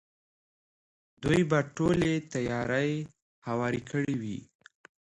دوی به ټولې تیارې هوارې کړې وي.